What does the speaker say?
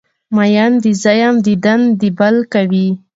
مین دی زه یم دیدن دی بل کوی